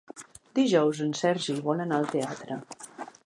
Dijous en Sergi vol anar al teatre.